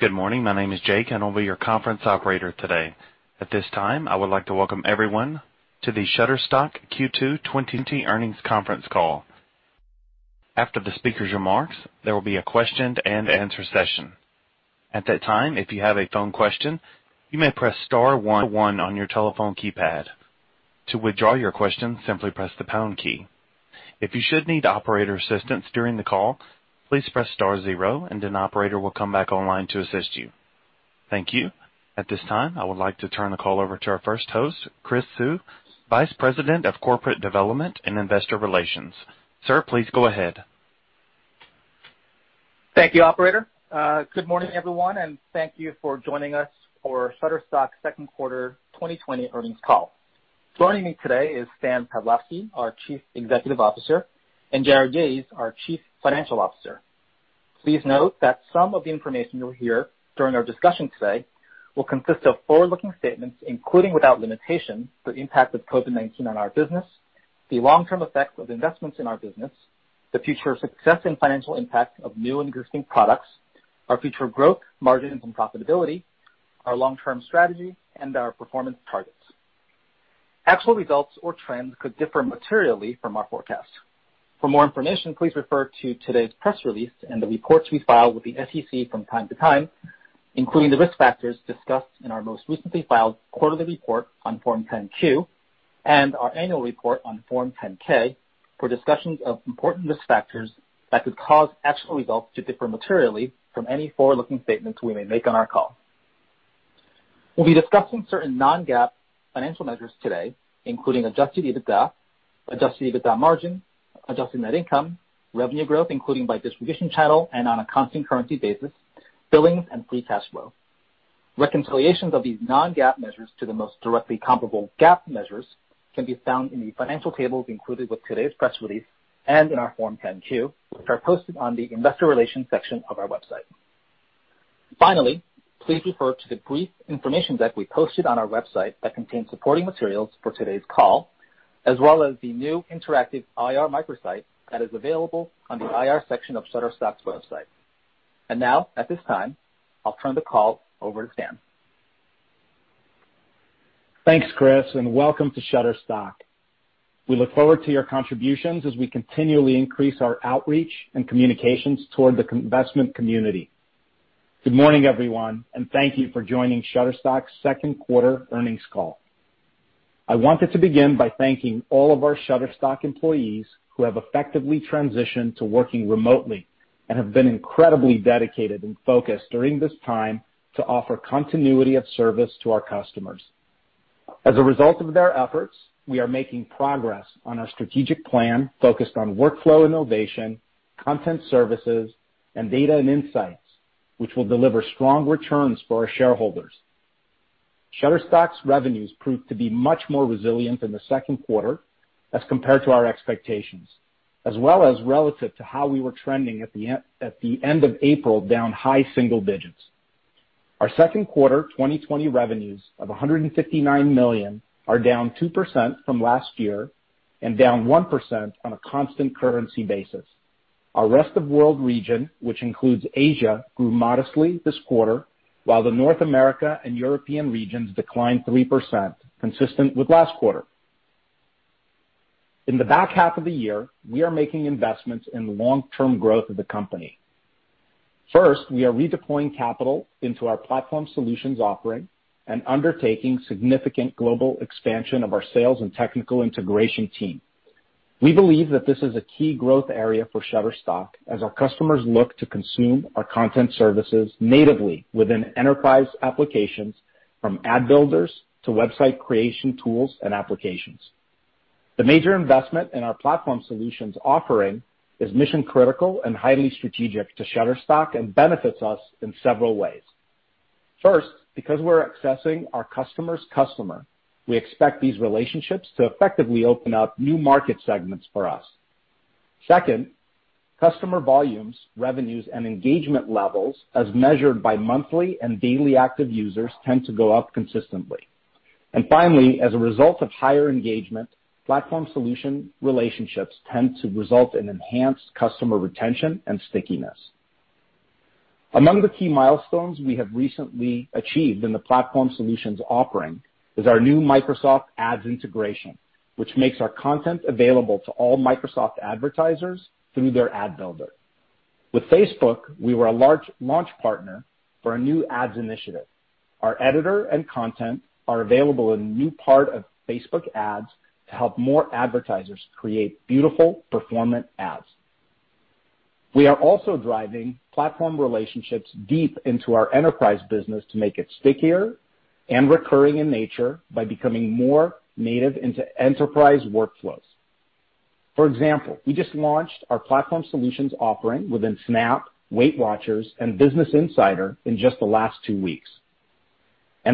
Good morning. My name is Jake, and I'll be your conference operator today. At this time, I would like to welcome everyone to the Shutterstock Q2 2020 earnings conference call. After the speaker's remarks, there will be a question-and-answer session. At that time, if you have a phone question, you may press star one on your telephone keypad. To withdraw your question, simply press the pound key. If you should need operator assistance during the call, please press star zero and an operator will come back online to assist you. Thank you. At this time, I would like to turn the call over to our first host, Chris Suh, Vice President of Corporate Development and Investor Relations. Sir, please go ahead. Thank you, operator. Good morning, everyone, and thank you for joining us for Shutterstock's second quarter 2020 earnings call. Joining me today is Stan Pavlovsky, our Chief Executive Officer, and Jarrod Yahes, our Chief Financial Officer. Please note that some of the information you'll hear during our discussion today will consist of forward-looking statements, including without limitation, the impact of COVID-19 on our business, the long-term effects of investments in our business, the future success and financial impact of new and existing products, our future growth, margins, and profitability, our long-term strategy, and our performance targets. Actual results or trends could differ materially from our forecasts. For more information, please refer to today's press release and the reports we file with the SEC from time to time, including the risk factors discussed in our most recently filed quarterly report on Form 10-Q and our annual report on Form 10-K for discussions of important risk factors that could cause actual results to differ materially from any forward-looking statements we may make on our call. We'll be discussing certain non-GAAP financial measures today, including adjusted EBITDA, adjusted EBITDA margin, adjusted net income, revenue growth, including by distribution channel and on a constant currency basis, billings, and free cash flow. Reconciliations of these non-GAAP measures to the most directly comparable GAAP measures can be found in the financial tables included with today's press release and in our Form 10-Q, which are posted on the Investor Relations section of our website. Finally, please refer to the brief information that we posted on our website that contains supporting materials for today's call, as well as the new interactive IR microsite that is available on the IR section of Shutterstock's website. Now, at this time, I'll turn the call over to Stan. Thanks, Chris, and welcome to Shutterstock. We look forward to your contributions as we continually increase our outreach and communications toward the investment community. Good morning, everyone, and thank you for joining Shutterstock's second quarter earnings call. I wanted to begin by thanking all of our Shutterstock employees who have effectively transitioned to working remotely and have been incredibly dedicated and focused during this time to offer continuity of service to our customers. As a result of their efforts, we are making progress on our strategic plan focused on workflow innovation, content services, and data and insights, which will deliver strong returns for our shareholders. Shutterstock's revenues proved to be much more resilient in the second quarter as compared to our expectations, as well as relative to how we were trending at the end of April, down high single digits. Our second quarter 2020 revenues of $159 million are down 2% from last year and down 1% on a constant currency basis. Our rest of world region, which includes Asia, grew modestly this quarter, while the North America and European regions declined 3%, consistent with last quarter. In the back half of the year, we are making investments in the long-term growth of the company. First, we are redeploying capital into our platform solutions offering and undertaking significant global expansion of our sales and technical integration team. We believe that this is a key growth area for Shutterstock as our customers look to consume our content services natively within enterprise applications from ad builders to website creation tools and applications. The major investment in our platform solutions offering is mission critical and highly strategic to Shutterstock and benefits us in several ways. First, because we're accessing our customer's customer, we expect these relationships to effectively open up new market segments for us. Second, customer volumes, revenues, and engagement levels as measured by monthly and daily active users tend to go up consistently. Finally, as a result of higher engagement, platform solution relationships tend to result in enhanced customer retention and stickiness. Among the key milestones we have recently achieved in the platform solutions offering is our new Microsoft Ad integration, which makes our content available to all Microsoft advertisers through their ad builder. With Facebook, we were a launch partner for a new ads initiative. Our editor and content are available in a new part of Facebook Ads to help more advertisers create beautiful performant ads. We are also driving platform relationships deep into our enterprise business to make it stickier and recurring in nature by becoming more native into enterprise workflows. For example, we just launched our platform solutions offering within Snap, WeightWatchers, and Business Insider in just the last two weeks.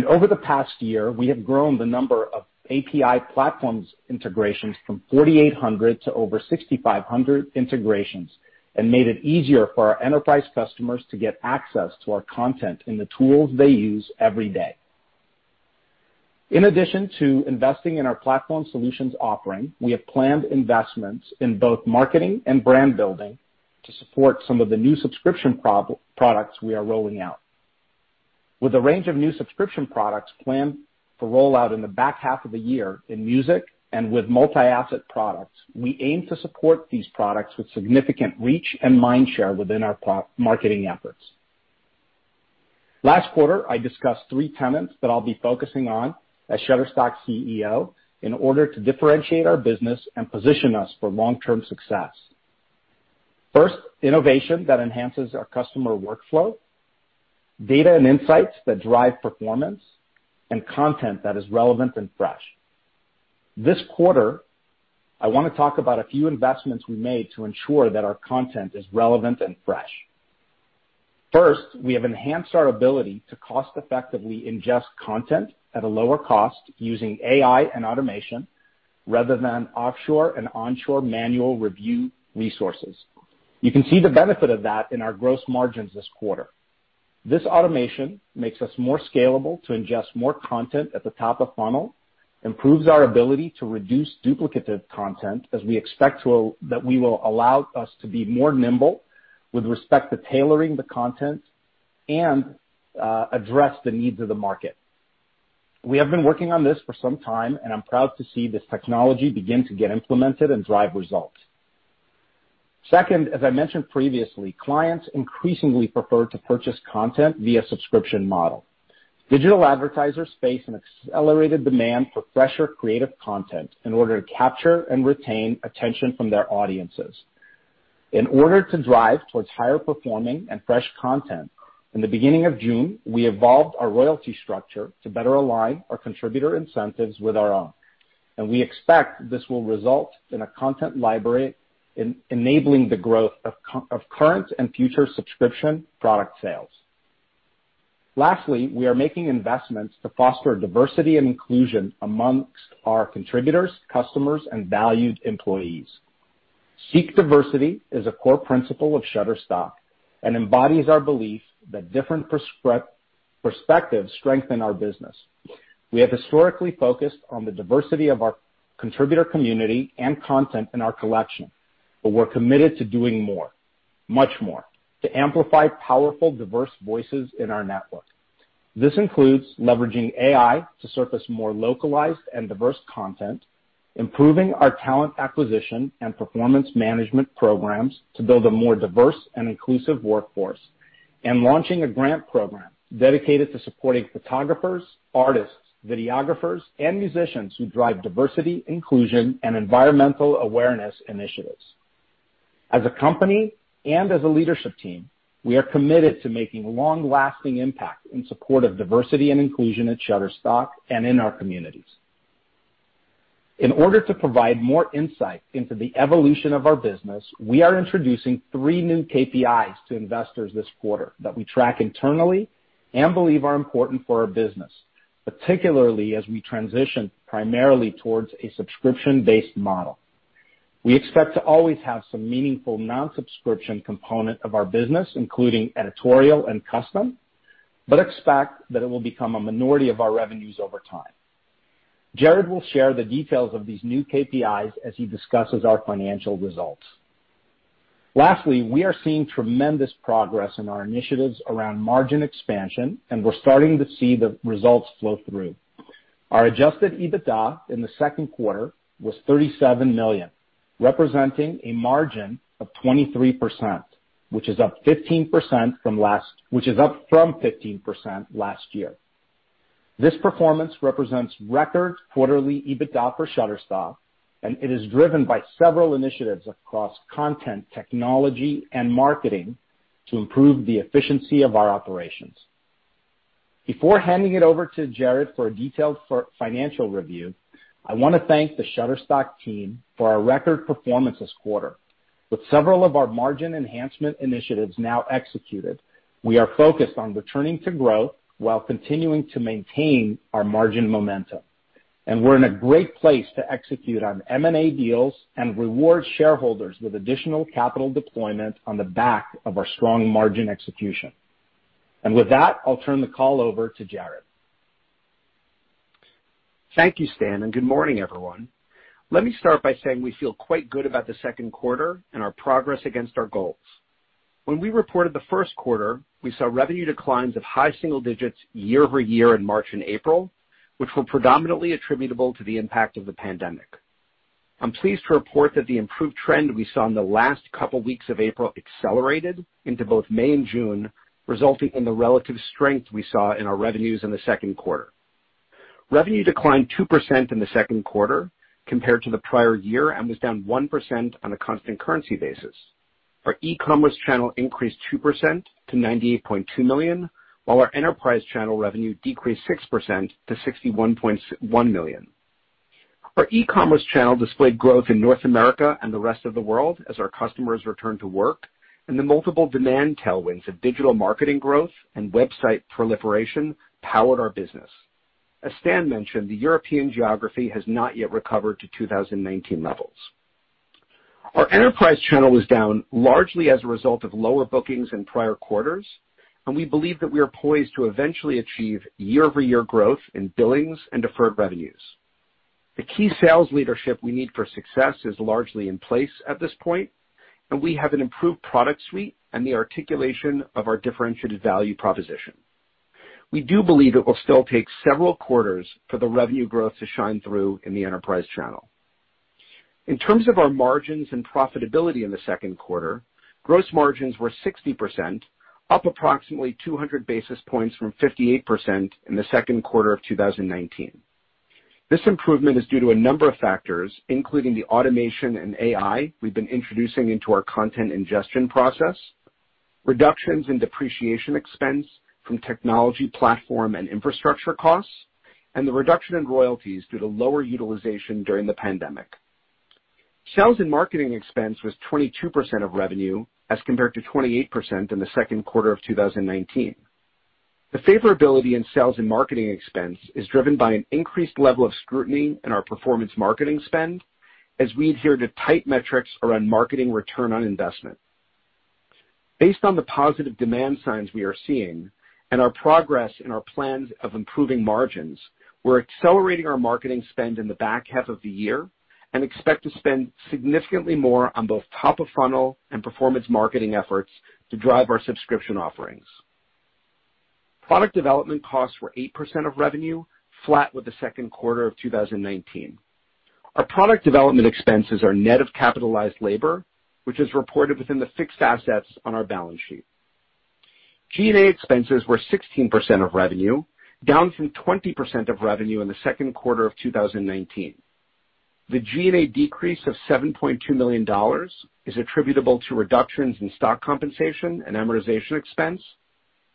Over the past year, we have grown the number of API platforms integrations from 4,800 to over 6,500 integrations and made it easier for our enterprise customers to get access to our content in the tools they use every day. In addition to investing in our platform solutions offering, we have planned investments in both marketing and brand building to support some of the new subscription products we are rolling out. With a range of new subscription products planned to roll out in the back half of the year in music and with multi-asset products, we aim to support these products with significant reach and mind share within our marketing efforts. Last quarter, I discussed three tenets that I'll be focusing on as Shutterstock CEO in order to differentiate our business and position us for long-term success. First, innovation that enhances our customer workflow, data and insights that drive performance, and content that is relevant and fresh. This quarter, I want to talk about a few investments we made to ensure that our content is relevant and fresh. First, we have enhanced our ability to cost effectively ingest content at a lower cost using AI and automation rather than offshore and onshore manual review resources. You can see the benefit of that in our gross margins this quarter. This automation makes us more scalable to ingest more content at the top of funnel, improves our ability to reduce duplicative content, as we expect that we will allow us to be more nimble with respect to tailoring the content and address the needs of the market. We have been working on this for some time, and I'm proud to see this technology begin to get implemented and drive results. Second, as I mentioned previously, clients increasingly prefer to purchase content via subscription model. Digital advertisers face an accelerated demand for fresher, creative content in order to capture and retain attention from their audiences. In order to drive towards higher performing and fresh content, in the beginning of June, we evolved our royalty structure to better align our contributor incentives with our own, and we expect this will result in a content library enabling the growth of current and future subscription product sales. Lastly, we are making investments to foster diversity and inclusion amongst our contributors, customers, and valued employees. Seek diversity is a core principle of Shutterstock and embodies our belief that different perspectives strengthen our business. We have historically focused on the diversity of our contributor community and content in our collection, but we're committed to doing more, much more, to amplify powerful, diverse voices in our network. This includes leveraging AI to surface more localized and diverse content, improving our talent acquisition and performance management programs to build a more diverse and inclusive workforce, and launching a grant program dedicated to supporting photographers, artists, videographers, and musicians who drive diversity, inclusion, and environmental awareness initiatives. As a company and as a leadership team, we are committed to making long-lasting impact in support of diversity and inclusion at Shutterstock and in our communities. In order to provide more insight into the evolution of our business, we are introducing three new KPIs to investors this quarter that we track internally and believe are important for our business, particularly as we transition primarily towards a subscription-based model. We expect to always have some meaningful non-subscription component of our business, including editorial and custom, but expect that it will become a minority of our revenues over time. Jarrod will share the details of these new KPIs as he discusses our financial results. Lastly, we are seeing tremendous progress in our initiatives around margin expansion, and we're starting to see the results flow through. Our adjusted EBITDA in the second quarter was $37 million, representing a margin of 23%, which is up from 15% last year. This performance represents record quarterly EBITDA for Shutterstock, and it is driven by several initiatives across content technology and marketing to improve the efficiency of our operations. Before handing it over to Jarrod for a detailed financial review, I want to thank the Shutterstock team for our record performance this quarter. With several of our margin enhancement initiatives now executed, we are focused on returning to growth while continuing to maintain our margin momentum. We're in a great place to execute on M&A deals and reward shareholders with additional capital deployment on the back of our strong margin execution. With that, I'll turn the call over to Jarrod. Thank you, Stan. Good morning, everyone. Let me start by saying we feel quite good about the second quarter and our progress against our goals. When we reported the first quarter, we saw revenue declines of high single digits year-over-year in March and April, which were predominantly attributable to the impact of the pandemic. I'm pleased to report that the improved trend we saw in the last couple weeks of April accelerated into both May and June, resulting in the relative strength we saw in our revenues in the second quarter. Revenue declined 2% in the second quarter compared to the prior year and was down 1% on a constant currency basis. Our e-commerce channel increased 2% to $98.2 million, while our enterprise channel revenue decreased 6% to $61.1 million. Our e-commerce channel displayed growth in North America and the rest of the world as our customers return to work, and the multiple demand tailwinds of digital marketing growth and website proliferation powered our business. As Stan mentioned, the European geography has not yet recovered to 2019 levels. Our enterprise channel was down largely as a result of lower bookings in prior quarters, and we believe that we are poised to eventually achieve year-over-year growth in billings and deferred revenues. The key sales leadership we need for success is largely in place at this point, and we have an improved product suite and the articulation of our differentiated value proposition. We do believe it will still take several quarters for the revenue growth to shine through in the enterprise channel. In terms of our margins and profitability in the second quarter, gross margins were 60%, up approximately 200 basis points from 58% in the second quarter of 2019. This improvement is due to a number of factors, including the automation and AI we've been introducing into our content ingestion process, reductions in depreciation expense from technology platform and infrastructure costs, and the reduction in royalties due to lower utilization during the pandemic. Sales and marketing expense was 22% of revenue as compared to 28% in the second quarter of 2019. The favorability in sales and marketing expense is driven by an increased level of scrutiny in our performance marketing spend, as we adhere to tight metrics around marketing return on investment. Based on the positive demand signs we are seeing and our progress in our plans of improving margins, we're accelerating our marketing spend in the back half of the year and expect to spend significantly more on both top-of-funnel and performance marketing efforts to drive our subscription offerings. Product development costs were 8% of revenue, flat with the second quarter of 2019. Our product development expenses are net of capitalized labor, which is reported within the fixed assets on our balance sheet. G&A expenses were 16% of revenue, down from 20% of revenue in the second quarter of 2019. The G&A decrease of $7.2 million is attributable to reductions in stock compensation and amortization expense,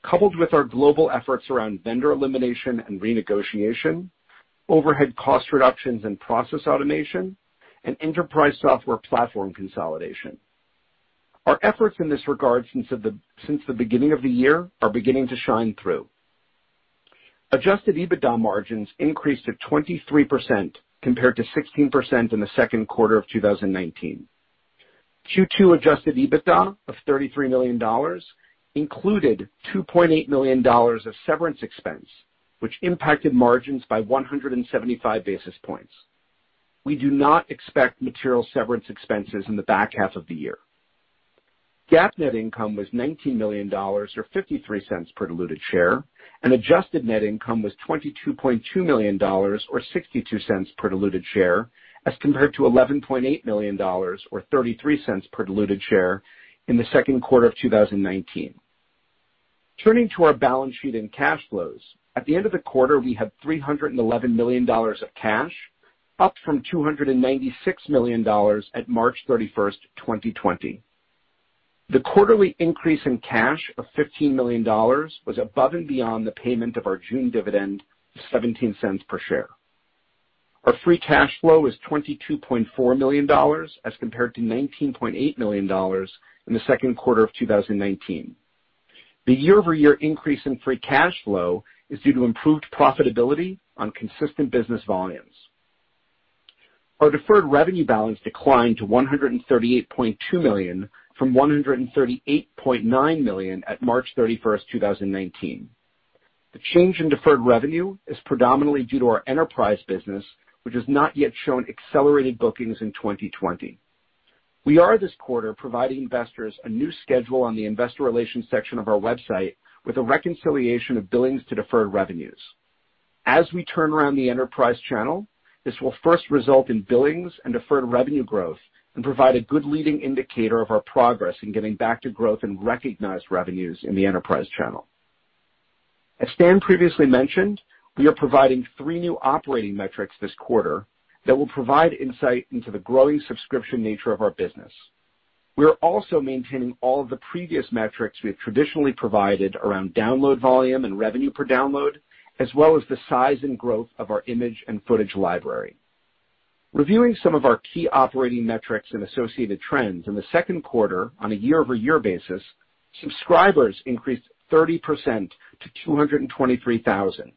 coupled with our global efforts around vendor elimination and renegotiation, overhead cost reductions and process automation, and enterprise software platform consolidation. Our efforts in this regard since the beginning of the year are beginning to shine through. Adjusted EBITDA margins increased to 23%, compared to 16% in the second quarter of 2019. Q2 adjusted EBITDA of $33 million included $2.8 million of severance expense, which impacted margins by 175 basis points. We do not expect material severance expenses in the back half of the year. GAAP net income was $19 million, or $0.53 per diluted share, and adjusted net income was $22.2 million or $0.62 per diluted share, as compared to $11.8 million or $0.33 per diluted share in the second quarter of 2019. Turning to our balance sheet and cash flows, at the end of the quarter, we had $311 million of cash, up from $296 million at March 31st, 2020. The quarterly increase in cash of $15 million was above and beyond the payment of our June dividend of $0.17 per share. Our free cash flow is $22.4 million as compared to $19.8 million in the second quarter of 2019. The year-over-year increase in free cash flow is due to improved profitability on consistent business volumes. Our deferred revenue balance declined to $138.2 million from $138.9 million at March 31st, 2019. The change in deferred revenue is predominantly due to our enterprise business, which has not yet shown accelerated bookings in 2020. We are, this quarter, providing investors a new schedule on the Investor Relations section of our website with a reconciliation of billings to deferred revenues. As we turn around the enterprise channel, this will first result in billings and deferred revenue growth and provide a good leading indicator of our progress in getting back to growth and recognized revenues in the enterprise channel. As Stan previously mentioned, we are providing three new operating metrics this quarter that will provide insight into the growing subscription nature of our business. We are also maintaining all of the previous metrics we have traditionally provided around download volume and revenue per download, as well as the size and growth of our image and footage library. Reviewing some of our key operating metrics and associated trends in the second quarter on a year-over-year basis, subscribers increased 30% to 223,000.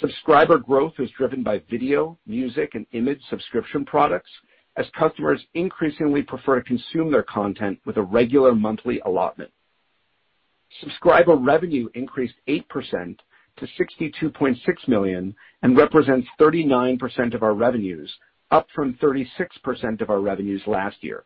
Subscriber growth is driven by video, music, and image subscription products as customers increasingly prefer to consume their content with a regular monthly allotment. Subscriber revenue increased 8% to $62.6 million and represents 39% of our revenues, up from 36% of our revenues last year.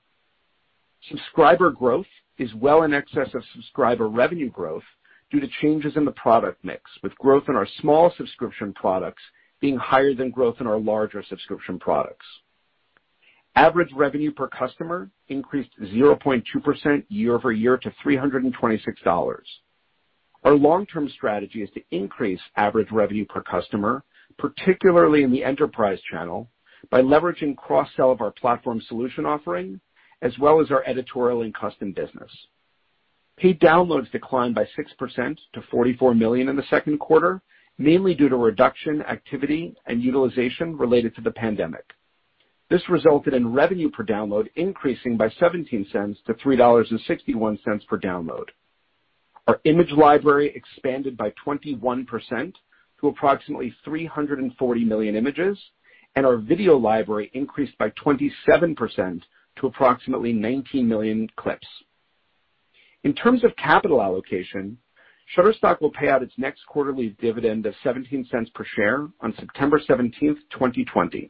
Subscriber growth is well in excess of subscriber revenue growth due to changes in the product mix, with growth in our small subscription products being higher than growth in our larger subscription products. Average revenue per customer increased 0.2% year-over-year to $326. Our long-term strategy is to increase average revenue per customer, particularly in the enterprise channel, by leveraging cross-sell of our platform solution offering, as well as our editorial and custom business. Paid downloads declined by 6% to 44 million in the second quarter, mainly due to reduction activity and utilization related to the pandemic. This resulted in revenue per download increasing by $0.17 to $3.61 per download. Our image library expanded by 21% to approximately 340 million images, and our video library increased by 27% to approximately 19 million clips. In terms of capital allocation, Shutterstock will pay out its next quarterly dividend of $0.17 per share on September 17th, 2020.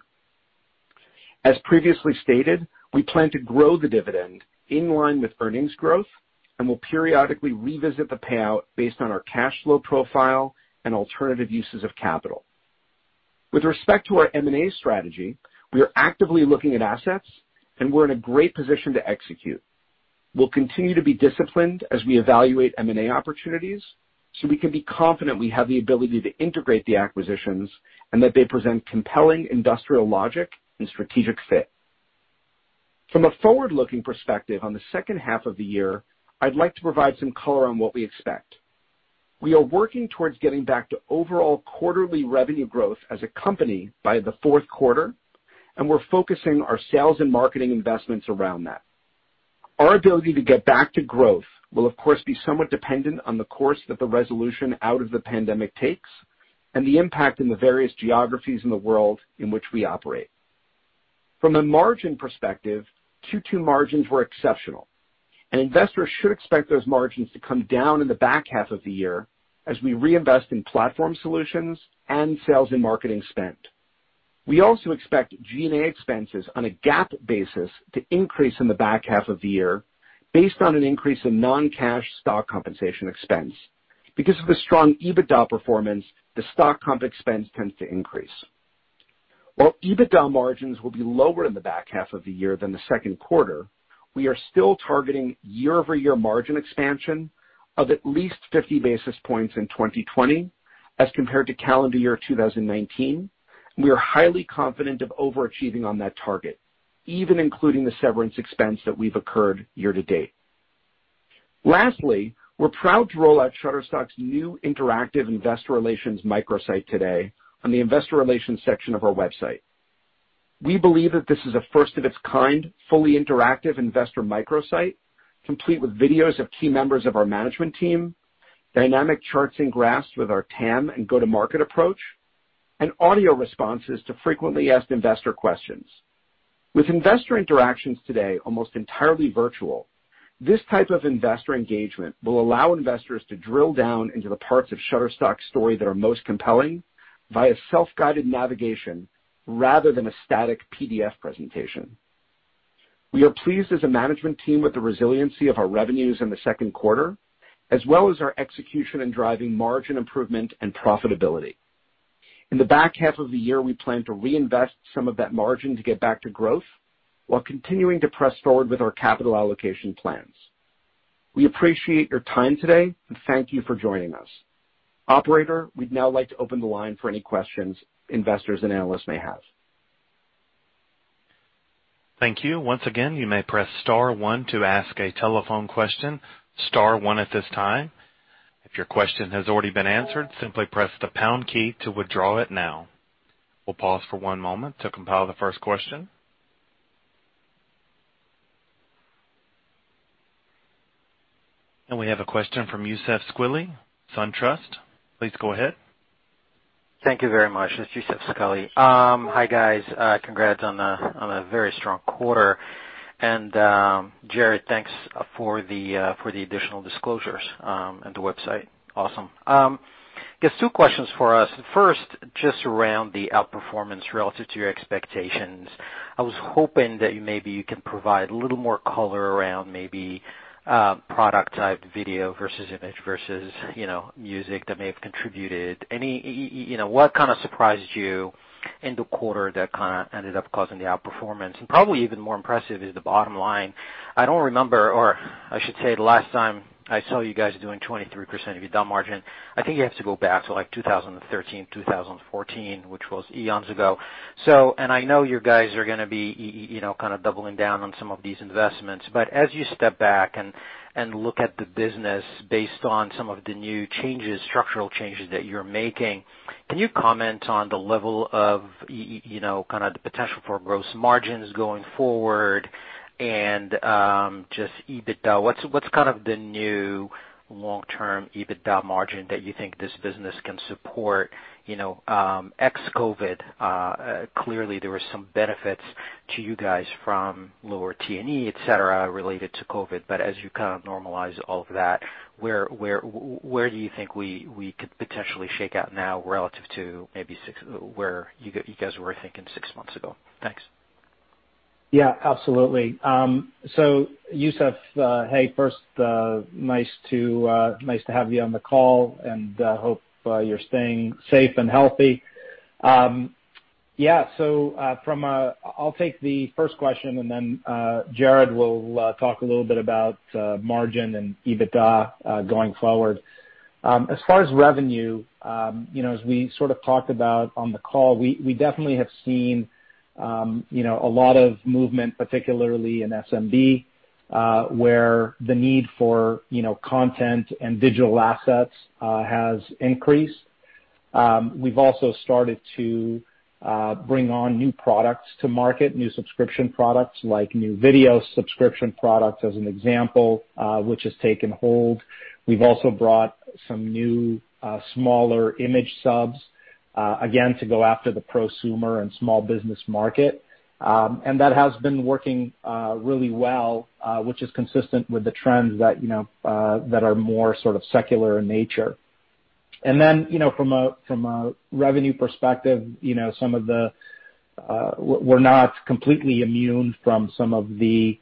As previously stated, we plan to grow the dividend in line with earnings growth and will periodically revisit the payout based on our cash flow profile and alternative uses of capital. With respect to our M&A strategy, we are actively looking at assets and we're in a great position to execute. We'll continue to be disciplined as we evaluate M&A opportunities so we can be confident we have the ability to integrate the acquisitions and that they present compelling industrial logic and strategic fit. From a forward-looking perspective on the second half of the year, I'd like to provide some color on what we expect. We are working towards getting back to overall quarterly revenue growth as a company by the fourth quarter, and we're focusing our sales and marketing investments around that. Our ability to get back to growth will, of course, be somewhat dependent on the course that the resolution out of the pandemic takes and the impact in the various geographies in the world in which we operate. From a margin perspective, Q2 margins were exceptional, and investors should expect those margins to come down in the back half of the year as we reinvest in platform solutions and sales and marketing spend. We also expect G&A expenses on a GAAP basis to increase in the back half of the year based on an increase in non-cash stock compensation expense. Because of the strong EBITDA performance, the stock comp expense tends to increase. While EBITDA margins will be lower in the back half of the year than the second quarter, we are still targeting year-over-year margin expansion of at least 50 basis points in 2020 as compared to calendar year 2019, and we are highly confident of overachieving on that target, even including the severance expense that we've incurred year to date. Lastly, we're proud to roll out Shutterstock's new interactive investor relations microsite today on the Investor Relations section of our website. We believe that this is a first of its kind, fully interactive investor microsite, complete with videos of key members of our management team, dynamic charts and graphs with our TAM and go-to-market approach, and audio responses to frequently asked investor questions. With investor interactions today almost entirely virtual, this type of investor engagement will allow investors to drill down into the parts of Shutterstock's story that are most compelling via self-guided navigation rather than a static PDF presentation. We are pleased as a management team with the resiliency of our revenues in the second quarter, as well as our execution in driving margin improvement and profitability. In the back half of the year, we plan to reinvest some of that margin to get back to growth while continuing to press forward with our capital allocation plans. We appreciate your time today, and thank you for joining us. Operator, we'd now like to open the line for any questions investors and analysts may have. Thank you. Once again, you may press star one to ask a telephone question, star one at this time. If your question has already been answered, simply press the pound key to withdraw it now. We'll pause for one moment to compile the first question. We have a question from Youssef Squali, SunTrust. Please go ahead. Thank you very much. It's Youssef Squali. Hi, guys. Congrats on a very strong quarter. Jarrod, thanks for the additional disclosures and the website. Awesome. I guess two questions for us. First, just around the outperformance relative to your expectations. I was hoping that maybe you can provide a little more color around maybe product type video versus image versus music that may have contributed. What kind of surprised you in the quarter that kind of ended up causing the outperformance? Probably even more impressive is the bottom line. I don't remember, or I should say the last time I saw you guys doing 23% EBITDA margin, I think you have to go back to 2013, 2014, which was eons ago. I know you guys are going to be kind of doubling down on some of these investments, but as you step back and look at the business based on some of the new structural changes that you're making, can you comment on the level of kind of the potential for gross margins going forward and just EBITDA? What's kind of the new long-term EBITDA margin that you think this business can support ex-COVID? Clearly, there were some benefits to you guys from lower T&E, et cetera, related to COVID. As you kind of normalize all of that, where do you think we could potentially shake out now relative to maybe where you guys were thinking six months ago? Thanks. Yeah, absolutely. Youssef, hey, first, nice to have you on the call, and hope you're staying safe and healthy. I'll take the first question, and then Jarrod will talk a little bit about margin and EBITDA going forward. As far as revenue, as we sort of talked about on the call, we definitely have seen a lot of movement, particularly in SMB, where the need for content and digital assets has increased. We've also started to bring on new products to market, new subscription products like new video subscription products, as an example, which has taken hold. We've also brought some new, smaller image subs, again, to go after the prosumer and small business market. That has been working really well, which is consistent with the trends that are more sort of secular in nature. From a revenue perspective, we're not completely immune from some of the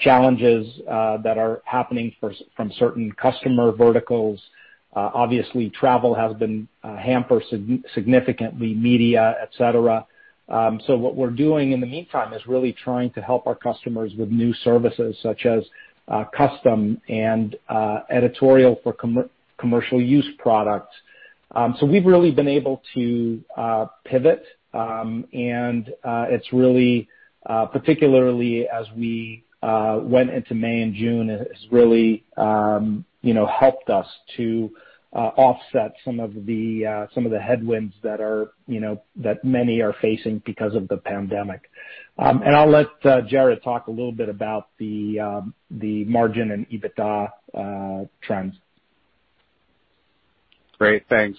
challenges that are happening from certain customer verticals. Obviously, travel has been hampered significantly, media, et cetera. What we're doing in the meantime is really trying to help our customers with new services such as custom and editorial for commercial use products. We've really been able to pivot, and particularly as we went into May and June, it has really helped us to offset some of the headwinds that many are facing because of the pandemic. I'll let Jarrod talk a little bit about the margin and EBITDA trends. Great. Thanks.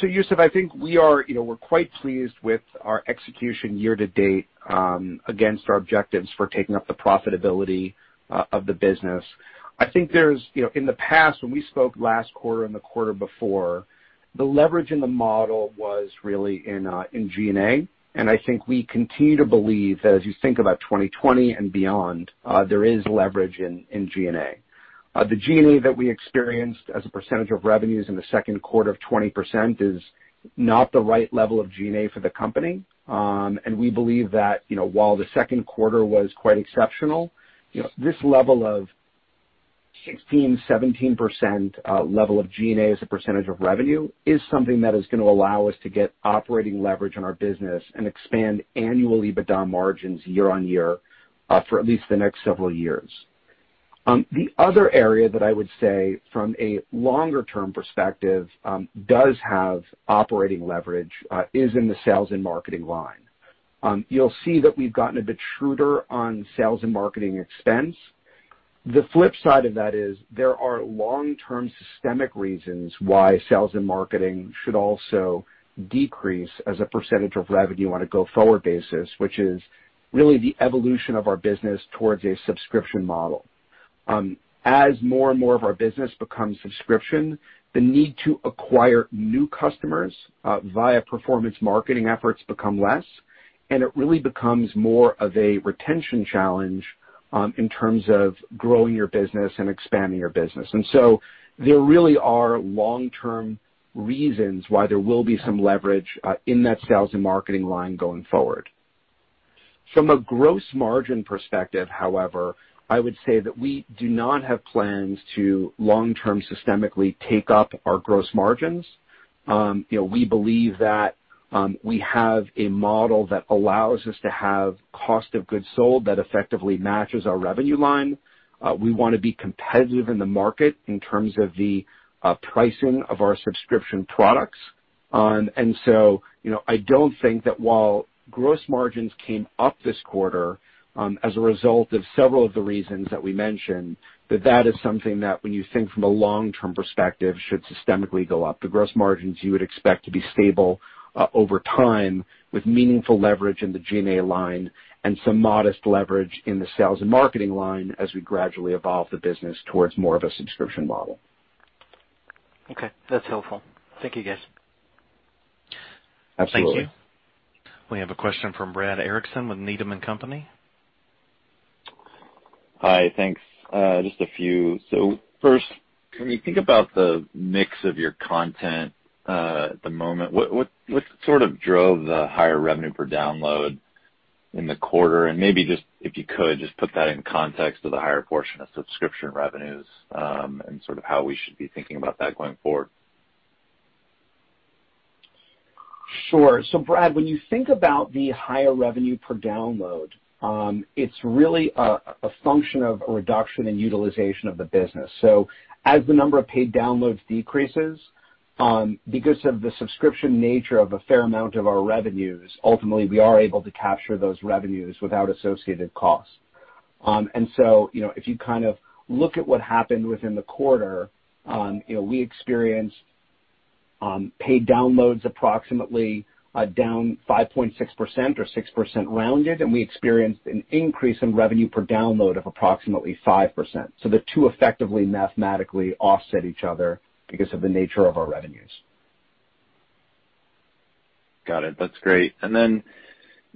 Youssef, I think we're quite pleased with our execution year to date against our objectives for taking up the profitability of the business. I think in the past, when we spoke last quarter and the quarter before, the leverage in the model was really in G&A. I think we continue to believe that as you think about 2020 and beyond, there is leverage in G&A. The G&A that we experienced as a percentage of revenues in the second quarter of 20% is not the right level of G&A for the company. We believe that, while the second quarter was quite exceptional, this level of 16%, 17% level of G&A as a percentage of revenue is something that is going to allow us to get operating leverage in our business and expand annual EBITDA margins year-on-year for at least the next several years. The other area that I would say from a longer-term perspective does have operating leverage is in the sales and marketing line. You'll see that we've gotten a bit shrewder on sales and marketing expense. The flip side of that is there are long-term systemic reasons why sales and marketing should also decrease as a percentage of revenue on a go-forward basis, which is really the evolution of our business towards a subscription model. As more and more of our business becomes subscription, the need to acquire new customers via performance marketing efforts become less, and it really becomes more of a retention challenge in terms of growing your business and expanding your business. And so there really are long-term reasons why there will be some leverage in that sales and marketing line going forward. From a gross margin perspective, however, I would say that we do not have plans to long-term systemically take up our gross margins. We believe that we have a model that allows us to have cost of goods sold that effectively matches our revenue line. We want to be competitive in the market in terms of the pricing of our subscription products. And so I don't think that while gross margins came up this quarter as a result of several of the reasons that we mentioned, that that is something that when you think from a long-term perspective, should systemically go up. The gross margins you would expect to be stable over time with meaningful leverage in the G&A line and some modest leverage in the sales and marketing line as we gradually evolve the business towards more of a subscription model. Okay. That's helpful. Thank you, guys. Absolutely. Thank you. We have a question from Brad Erickson with Needham & Company. Hi, thanks. Just a few. First, when you think about the mix of your content at the moment, what sort of drove the higher revenue per download in the quarter? Maybe just, if you could, just put that in context of the higher portion of subscription revenues, and sort of how we should be thinking about that going forward. Sure. Brad, when you think about the higher revenue per download, it's really a function of a reduction in utilization of the business. As the number of paid downloads decreases, because of the subscription nature of a fair amount of our revenues, ultimately, we are able to capture those revenues without associated costs. If you kind of look at what happened within the quarter, we experienced paid downloads approximately down 5.6% or 6% rounded, and we experienced an increase in revenue per download of approximately 5%. The two effectively mathematically offset each other because of the nature of our revenues. Got it. That's great.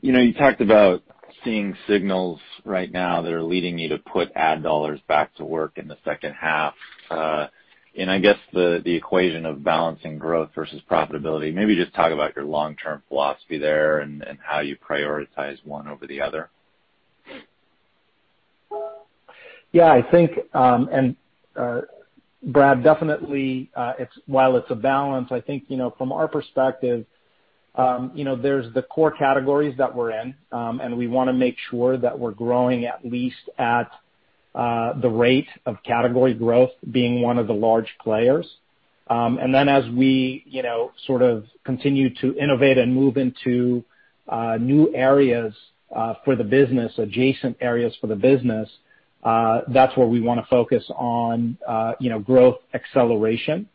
You talked about seeing signals right now that are leading you to put ad dollars back to work in the second half. I guess the equation of balancing growth versus profitability, maybe just talk about your long-term philosophy there and how you prioritize one over the other? Yeah. I think, Brad, definitely, while it's a balance, I think, from our perspective there's the core categories that we're in, and we want to make sure that we're growing at least at the rate of category growth, being one of the large players. As we sort of continue to innovate and move into new areas for the business, adjacent areas for the business, that's where we want to focus on growth acceleration.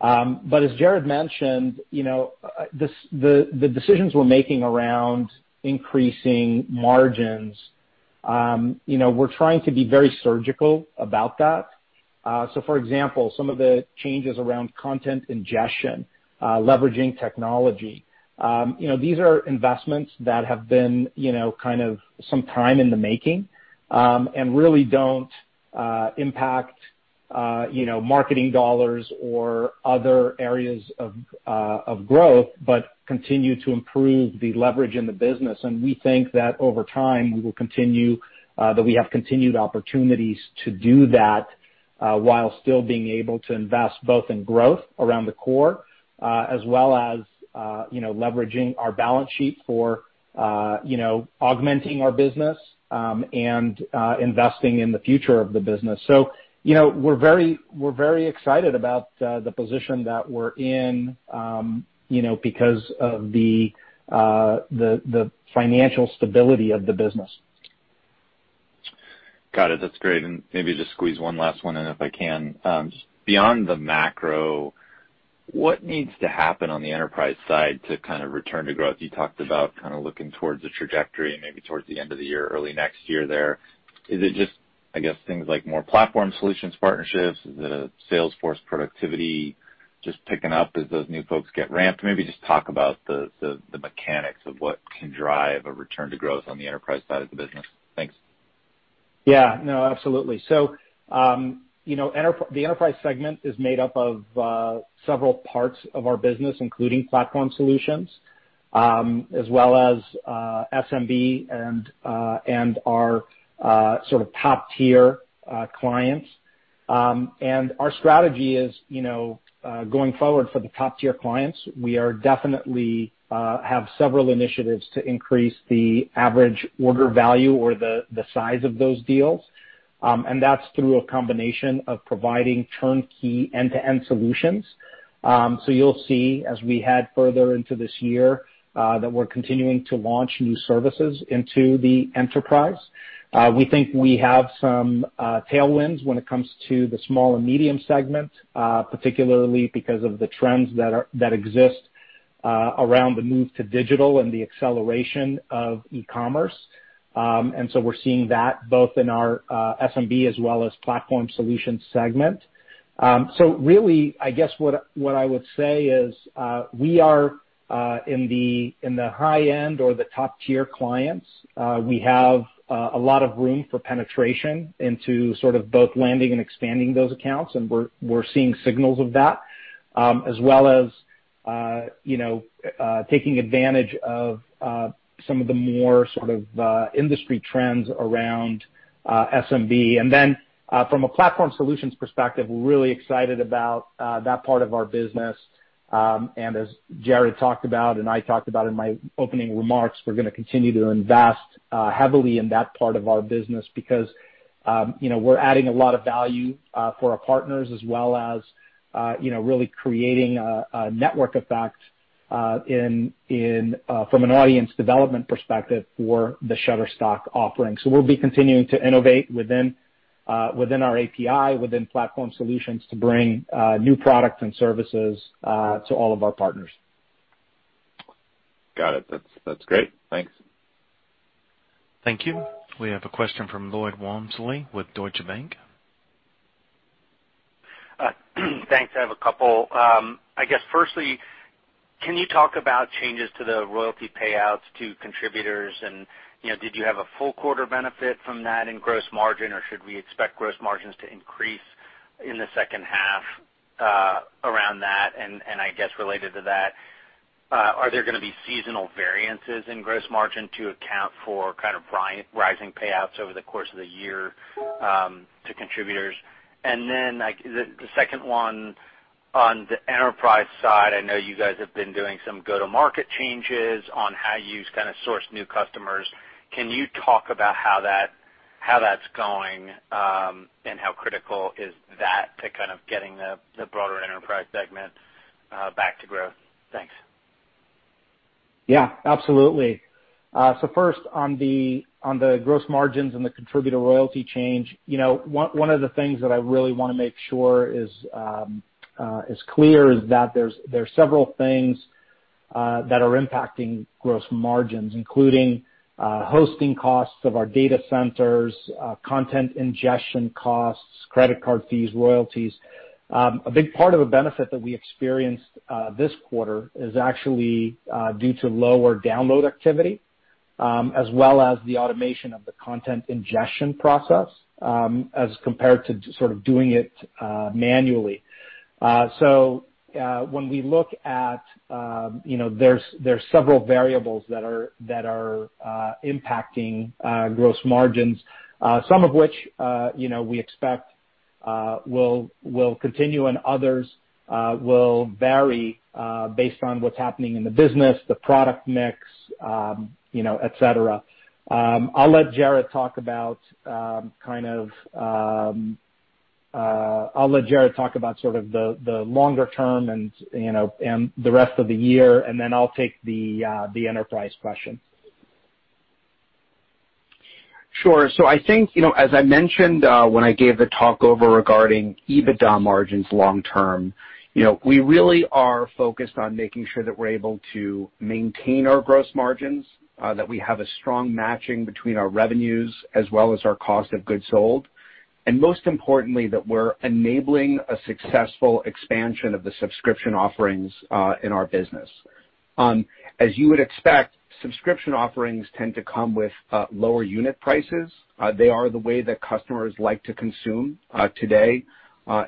But as Jarrod mentioned, the decisions we're making around increasing margins, we're trying to be very surgical about that. For example, some of the changes around content ingestion, leveraging technology, these are investments that have been kind of some time in the making, and really don't impact marketing dollars or other areas of growth, but continue to improve the leverage in the business. We think that over time, that we have continued opportunities to do that, while still being able to invest both in growth around the core, as well as leveraging our balance sheet for augmenting our business, and investing in the future of the business. We're very excited about the position that we're in, because of the financial stability of the business. Got it. That's great. Maybe just squeeze one last one in, if I can. Just beyond the macro, what needs to happen on the enterprise side to kind of return to growth? You talked about kind of looking towards the trajectory and maybe towards the end of the year, early next year there. Is it just, I guess, things like more platform solutions partnerships? Is it a sales force productivity just picking up as those new folks get ramped? Maybe just talk about the mechanics of what can drive a return to growth on the enterprise side of the business. Thanks. Yeah. No, absolutely. The enterprise segment is made up of several parts of our business, including Platform Solutions, as well as SMB and our sort of top-tier clients. Our strategy is going forward for the top-tier clients, we definitely have several initiatives to increase the average order value or the size of those deals. That's through a combination of providing turnkey end-to-end solutions. You'll see as we head further into this year, that we're continuing to launch new services into the enterprise. We think we have some tailwinds when it comes to the small and medium segment, particularly because of the trends that exist around the move to digital and the acceleration of e-commerce. We're seeing that both in our SMB as well as Platform Solutions segment. Really, I guess what I would say is, we are in the high end or the top-tier clients. We have a lot of room for penetration into sort of both landing and expanding those accounts, and we're seeing signals of that. As well as taking advantage of some of the more sort of industry trends around SMB. From a platform solutions perspective, we're really excited about that part of our business. As Jarrod talked about and I talked about in my opening remarks, we're gonna continue to invest heavily in that part of our business because we're adding a lot of value for our partners as well as really creating a network effect from an audience development perspective for the Shutterstock offering. We'll be continuing to innovate within our API, within platform solutions to bring new products and services to all of our partners. Got it. That's great. Thanks. Thank you. We have a question from Lloyd Walmsley with Deutsche Bank. Thanks. I have a couple. I guess firstly, can you talk about changes to the royalty payouts to contributors and, did you have a full quarter benefit from that in gross margin, or should we expect gross margins to increase in the second half around that? I guess related to that, are there going to be seasonal variances in gross margin to account for kind of rising payouts over the course of the year to contributors? Then the second one, on the enterprise side, I know you guys have been doing some go-to-market changes on how you kind of source new customers. Can you talk about how that's going, and how critical is that to kind of getting the broader enterprise segment back to growth? Thanks. Yeah, absolutely. First on the gross margins and the contributor royalty change. One of the things that I really want to make sure is clear is that there's several things that are impacting gross margins, including hosting costs of our data centers, content ingestion costs, credit card fees, royalties. A big part of a benefit that we experienced this quarter is actually due to lower download activity, as well as the automation of the content ingestion process, as compared to sort of doing it manually. There's several variables that are impacting gross margins, some of which we expect will continue, and others will vary based on what's happening in the business, the product mix, et cetera. I'll let Jarrod talk about the longer term and the rest of the year, and then I'll take the enterprise question. Sure. I think, as I mentioned when I gave the talk over regarding EBITDA margins long term, we really are focused on making sure that we're able to maintain our gross margins, that we have a strong matching between our revenues as well as our cost of goods sold, and most importantly, that we're enabling a successful expansion of the subscription offerings in our business. As you would expect, subscription offerings tend to come with lower unit prices. They are the way that customers like to consume today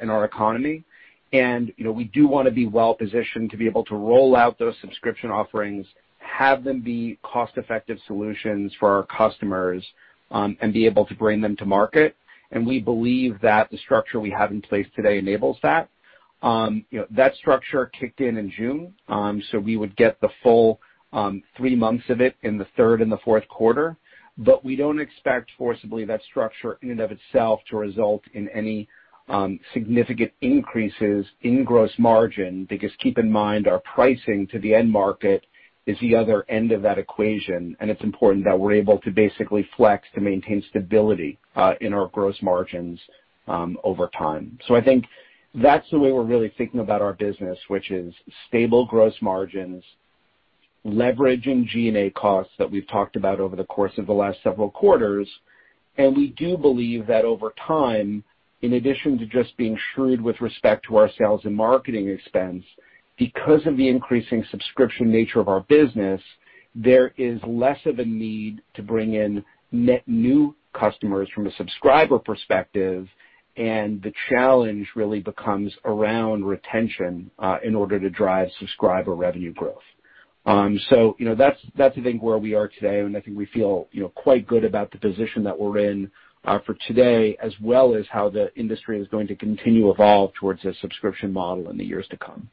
in our economy. We do want to be well positioned to be able to roll out those subscription offerings, have them be cost-effective solutions for our customers, and be able to bring them to market. We believe that the structure we have in place today enables that. That structure kicked in in June. We would get the full three months of it in the third and the fourth quarter. We don't expect forcibly that structure in and of itself to result in any significant increases in gross margin, because keep in mind, our pricing to the end market is the other end of that equation, and it's important that we're able to basically flex to maintain stability in our gross margins over time. I think that's the way we're really thinking about our business, which is stable gross margins, leveraging G&A costs that we've talked about over the course of the last several quarters. We do believe that over time, in addition to just being shrewd with respect to our sales and marketing expense, because of the increasing subscription nature of our business, there is less of a need to bring in net new customers from a subscriber perspective, and the challenge really becomes around retention in order to drive subscriber revenue growth. That's, I think, where we are today, and I think we feel quite good about the position that we're in for today as well as how the industry is going to continue to evolve towards a subscription model in the years to come.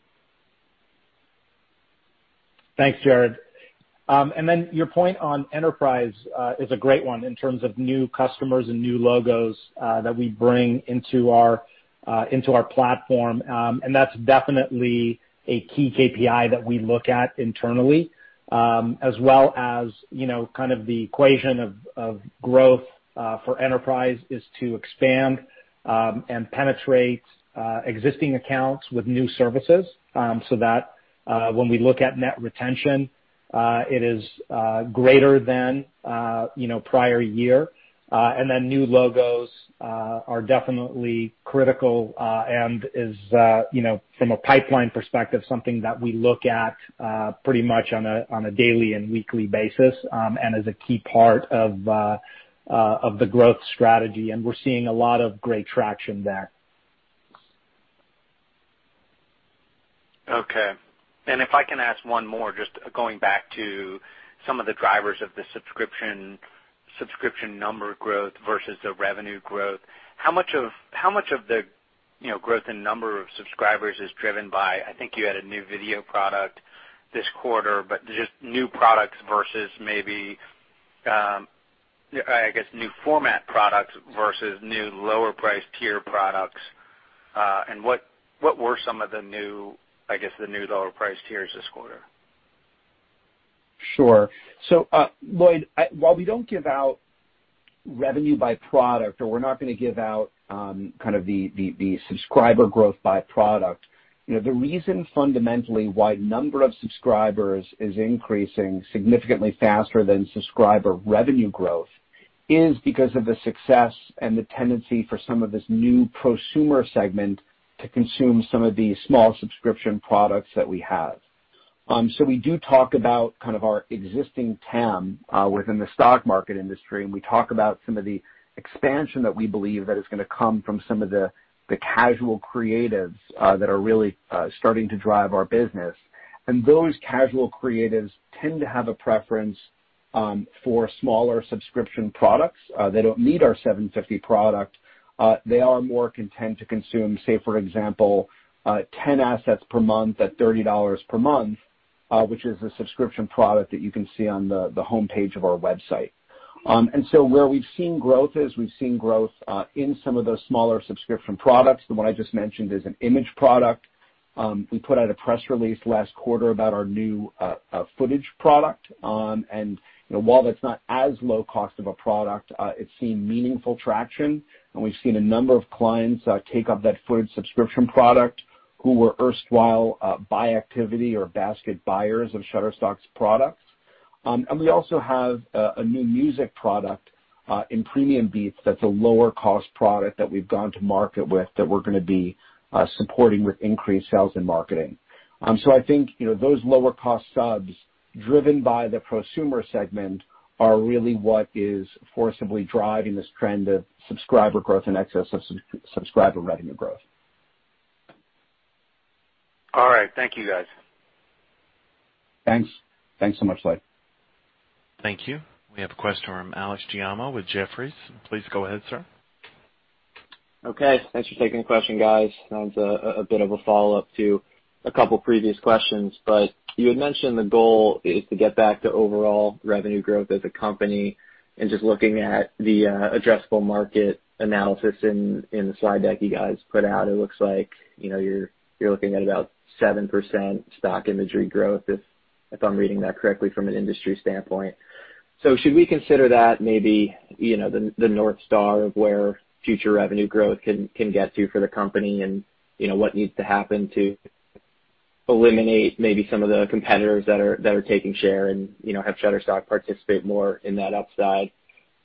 Thanks, Jarrod. Your point on enterprise is a great one in terms of new customers and new logos that we bring into our platform. That's definitely a key KPI that we look at internally, as well as the equation of growth for enterprise is to expand and penetrate existing accounts with new services so that when we look at net retention, it is greater than prior year. New logos are definitely critical and is, from a pipeline perspective, something that we look at pretty much on a daily and weekly basis and is a key part of the growth strategy, and we're seeing a lot of great traction there. Okay. If I can ask one more, just going back to some of the drivers of the subscription number growth versus the revenue growth. How much of the growth in number of subscribers is driven by, I think you had a new video product this quarter, but just new products versus maybe, I guess, new format products versus new lower priced tier products. What were some of the new, I guess, the new lower priced tiers this quarter? Sure. Lloyd, while we don't give out revenue by product, or we're not going to give out the subscriber growth by product, the reason fundamentally why number of subscribers is increasing significantly faster than subscriber revenue growth is because of the success and the tendency for some of this new prosumer segment to consume some of the small subscription products that we have. We do talk about our existing TAM within the stock market industry, and we talk about some of the expansion that we believe that is going to come from some of the casual creatives that are really starting to drive our business. Those casual creatives tend to have a preference for smaller subscription products. They don't need our 750 product. They are more content to consume, say, for example, 10 assets per month at $30 per month, which is a subscription product that you can see on the homepage of our website. Where we've seen growth is we've seen growth in some of those smaller subscription products. The one I just mentioned is an image product. We put out a press release last quarter about our new footage product. While that's not as low cost of a product, it's seen meaningful traction, and we've seen a number of clients take up that footage subscription product who were erstwhile buy activity or basket buyers of Shutterstock's products. We also have a new music product in PremiumBeat. That's a lower cost product that we've gone to market with that we're going to be supporting with increased sales and marketing. I think those lower cost subs driven by the prosumer segment are really what is forcibly driving this trend of subscriber growth in excess of subscriber revenue growth. All right. Thank you, guys. Thanks. Thanks so much, Lloyd. Thank you. We have a question from Alex Giaimo with Jefferies. Please go ahead, sir. Okay. Thanks for taking the question, guys. It's a bit of a follow-up to a couple of previous questions, but you had mentioned the goal is to get back to overall revenue growth as a company, and just looking at the addressable market analysis in the slide deck you guys put out, it looks like you're looking at about 7% stock imagery growth, if I'm reading that correctly from an industry standpoint. Should we consider that maybe the North Star of where future revenue growth can get to for the company, and what needs to happen to eliminate maybe some of the competitors that are taking share and have Shutterstock participate more in that upside?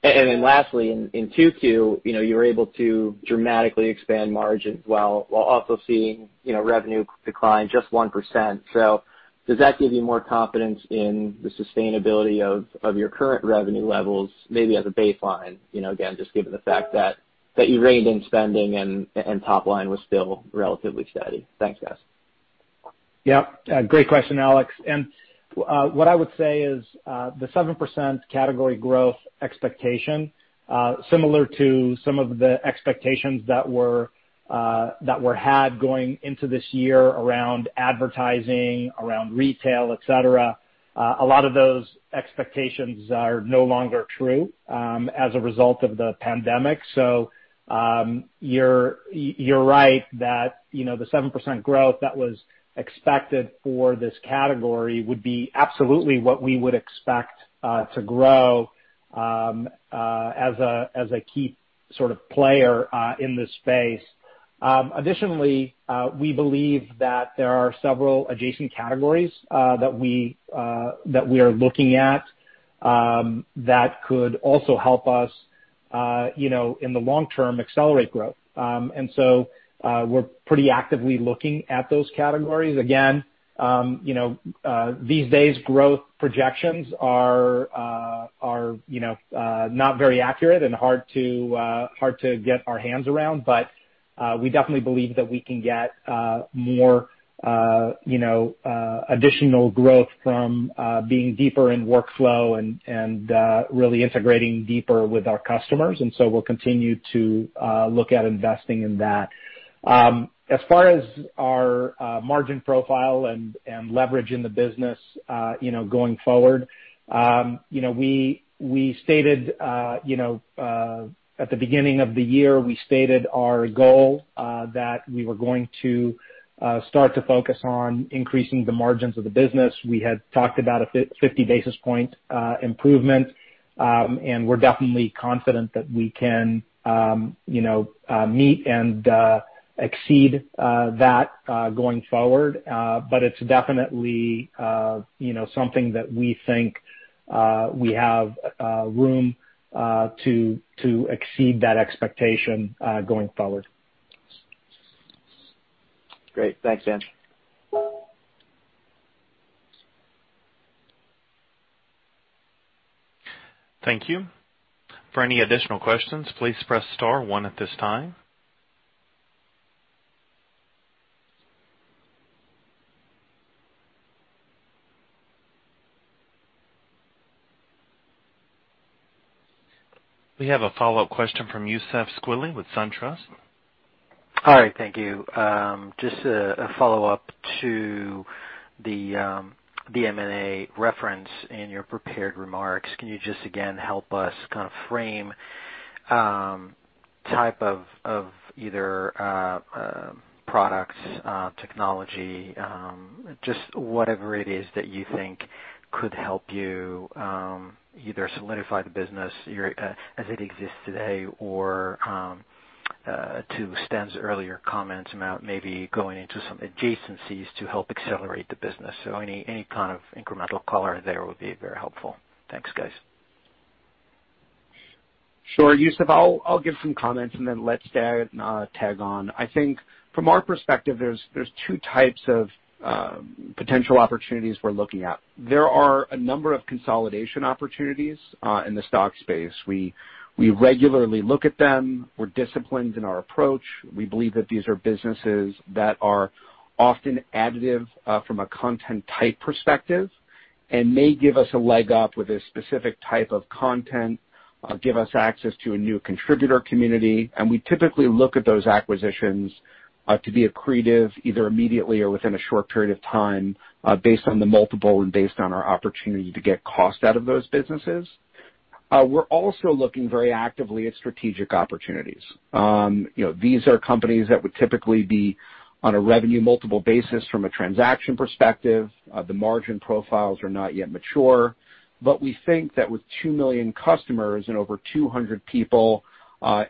Lastly, in 2Q, you were able to dramatically expand margins while also seeing revenue decline just 1%. Does that give you more confidence in the sustainability of your current revenue levels, maybe as a baseline, again, just given the fact that you reined in spending and top line was still relatively steady? Thanks, guys. Great question, Alex. What I would say is the 7% category growth expectation, similar to some of the expectations that were had going into this year around advertising, around retail, et cetera, a lot of those expectations are no longer true as a result of the pandemic. You're right that the 7% growth that was expected for this category would be absolutely what we would expect to grow as a key sort of player in this space. Additionally, we believe that there are several adjacent categories that we are looking at that could also help us in the long term accelerate growth. We're pretty actively looking at those categories. Again, these days, growth projections are not very accurate and hard to get our hands around. We definitely believe that we can get more additional growth from being deeper in workflow and really integrating deeper with our customers. We'll continue to look at investing in that. As far as our margin profile and leverage in the business going forward, at the beginning of the year, we stated our goal that we were going to start to focus on increasing the margins of the business. We had talked about a 50 basis point improvement, and we're definitely confident that we can meet and exceed that going forward. It's definitely something that we think we have room to exceed that expectation going forward. Great. Thanks, Stan. Thank you. For any additional questions, please press star one at this time. We have a follow-up question from Youssef Squali with SunTrust. Hi. Thank you. Just a follow-up to the M&A reference in your prepared remarks. Can you just, again, help us kind of frame type of either products, technology, just whatever it is that you think could help you either solidify the business as it exists today or to Stan's earlier comments about maybe going into some adjacencies to help accelerate the business? Any kind of incremental color there would be very helpful. Thanks, guys. Sure, Youssef. I'll give some comments, and then let Stan tag on. I think from our perspective, there's two types of potential opportunities we're looking at. There are a number of consolidation opportunities in the stock space. We regularly look at them. We're disciplined in our approach. We believe that these are businesses that are often additive from a content type perspective and may give us a leg up with a specific type of content, give us access to a new contributor community. We typically look at those acquisitions to be accretive either immediately or within a short period of time based on the multiple and based on our opportunity to get cost out of those businesses. We're also looking very actively at strategic opportunities. These are companies that would typically be on a revenue multiple basis from a transaction perspective. The margin profiles are not yet mature, but we think that with 2 million customers and over 200 people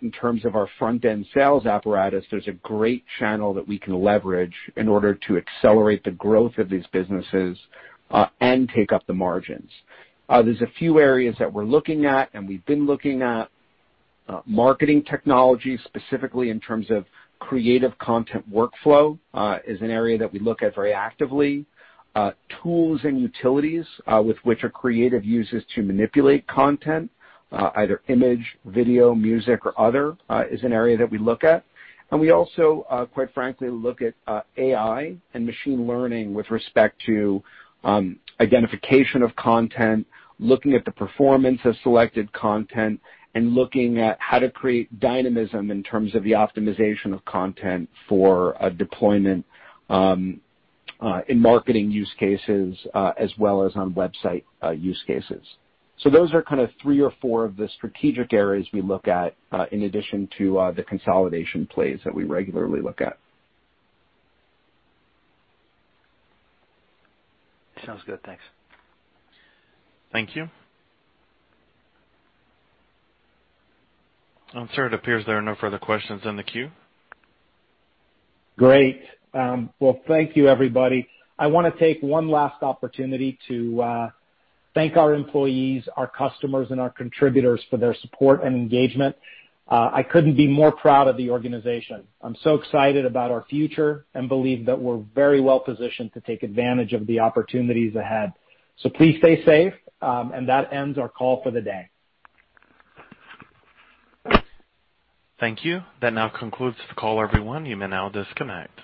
in terms of our front-end sales apparatus, there's a great channel that we can leverage in order to accelerate the growth of these businesses and take up the margins. There's a few areas that we're looking at, and we've been looking at marketing technology, specifically in terms of creative content workflow is an area that we look at very actively. Tools and utilities with which a creative uses to manipulate content, either image, video, music, or other, is an area that we look at. We also, quite frankly, look at AI and machine learning with respect to identification of content, looking at the performance of selected content, and looking at how to create dynamism in terms of the optimization of content for deployment in marketing use cases as well as on website use cases. Those are kind of three or four of the strategic areas we look at in addition to the consolidation plays that we regularly look at. Sounds good. Thanks. Thank you. Sir, it appears there are no further questions in the queue. Great. Well, thank you, everybody. I want to take one last opportunity to thank our employees, our customers, and our contributors for their support and engagement. I couldn't be more proud of the organization. I'm so excited about our future and believe that we're very well-positioned to take advantage of the opportunities ahead. Please stay safe, and that ends our call for the day. Thank you. That now concludes the call, everyone. You may now disconnect.